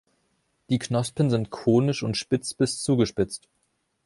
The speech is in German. Die Knospen sind konisch und spitz bis zugespitzt.